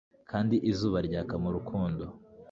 kandi izuba ryaka mu rukundo